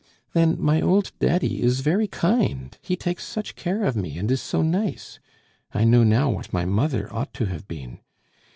Then my old Daddy is very kind; he takes such care of me, and is so nice; I know now what my mother ought to have been.